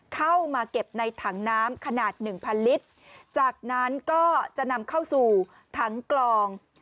เข้ามาเก็บในถังน้ำขนาดหนึ่งพันลิตรจากนั้นก็จะนำเข้าสู่ถังกลอง